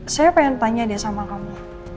saya pengen tanya deh sama kamu